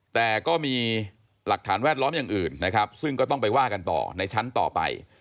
แต่ก็มีหลักฐานแวดล้อมอย่างอื่นนะครับซึ่งก็ต้องไปว่ากันต่อในชั้นต่อไป